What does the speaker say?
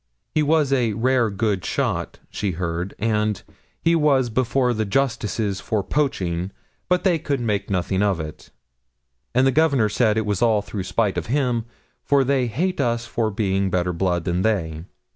He was 'a rare good shot,' she heard; and 'he was before the justices for poaching, but they could make nothing of it.' And the Governor said 'it was all through spite of him for they hate us for being better blood than they.'